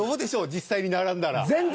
実際に並んだら。